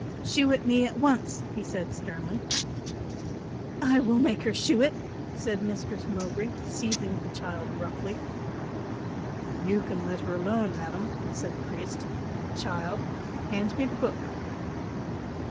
"Shew it me at once," he said sternly. "I will make her shew it," said Mistress Mowbray, seizing the child roughly. "You can let her alone, madam," said the priest. "Child, hand me the book."